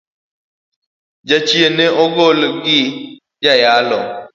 Jachien no gol gi joyalo.